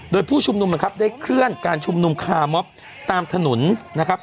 โดยผู้ชุมนุมนะครับได้เคลื่อนการชุมนุมคาร์มอบตามถนนนะครับ